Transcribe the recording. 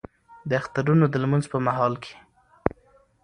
د اخترونو د لمونځ په مهال کې